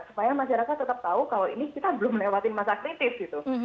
supaya masyarakat tetap tahu kalau ini kita belum melewati masa kritis gitu